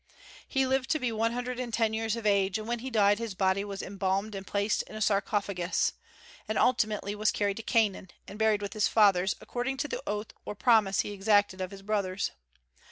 He lived to be one hundred and ten years of age, and when he died his body was embalmed and placed in a sarcophagus, and ultimately was carried to Canaan and buried with his fathers, according to the oath or promise he exacted of his brothers.